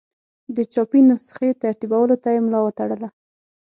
د چاپي نسخې ترتیبولو ته یې ملا وتړله.